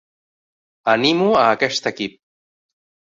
Animo a aquest equip.